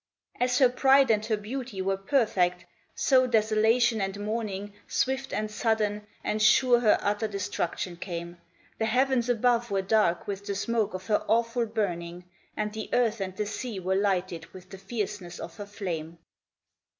As her pride and her beauty were perfect, so desolation and mourning, Swift and sudden, and sure her utter destruction came, The heavens above were dark with the smoke of her awful burning, And the earth and the sea were lighted with the fierceness of her flame.